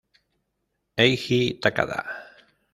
Eiji Takada